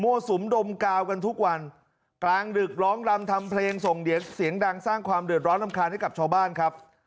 สุมดมกาวกันทุกวันกลางดึกร้องรำทำเพลงส่งเสียงดังสร้างความเดือดร้อนรำคาญให้กับชาวบ้านครับ